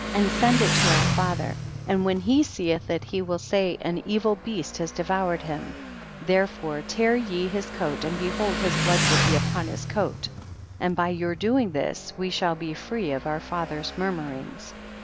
1 1 . And send it to our father and when he seeth it he will say an evil beast has devoured him, therefore tear ye his coat and behold his blood will be upon his coat, and by your doing this we shall be free of our father's murmurings.